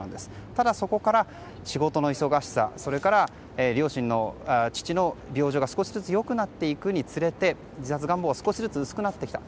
ただ、そこから仕事の忙しさ、それから父の病状が少しずつ良くなっていくにつれて自殺願望は少しずつ薄まってきた。